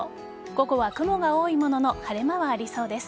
午後は雲が多いものの晴れ間はありそうです。